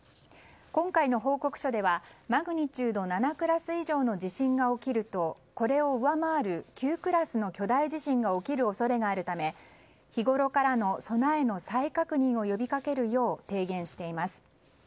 今回の報告書ではマグニチュード７クラス以上の地震が起きるとこれを上回る９クラスの巨大地震が起きる恐れがあるため日ごろからの備えの再確認を呼びかけるよう提言しています。